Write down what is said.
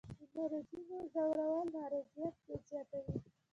د مراجعینو ځورول نارضایت زیاتوي.